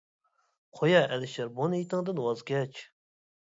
قويە ئەلىشىر، بۇ نىيىتىڭدىن ۋاز كەچ!